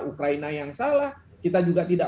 ukraina yang salah kita juga tidak